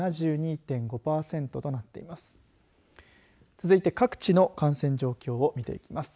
続いて、各地の感染状況を見ていきます。